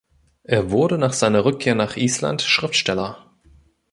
Er wurde nach seiner Rückkehr nach Island Schriftsteller.